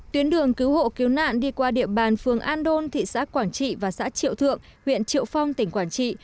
tuyến đường cứu hộ cứu nạn đi qua địa bàn phường an đôn thị xã quảng trị và xã triệu thượng huyện triệu phong tỉnh quảng trị